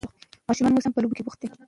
ماشومان اوس هم په لوبو کې بوخت دي.